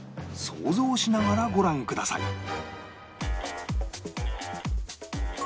想像しながらご覧ください